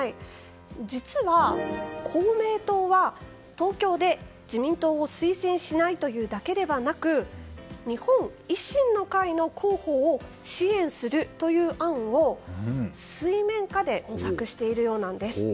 実は公明党は、東京で自民党を推薦しないだけではなく日本維新の会の候補を支援するという案を水面下で模索しているようなんです。